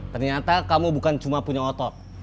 ternyata kamu bukan cuma punya otot